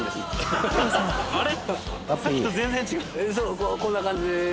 そうこんな感じです。